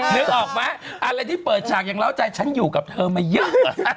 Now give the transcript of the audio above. นึกออกไหมอะไรที่เปิดฉากยังเล่าใจฉันอยู่กับเธอมาเยอะ